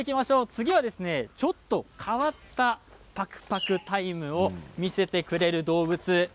次はちょっと変わったパクパクタイムを見せてくれる動物です。